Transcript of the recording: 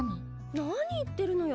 何言ってるのよ